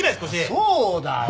そうだよ。